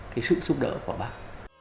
cái sự giúp đỡ của bác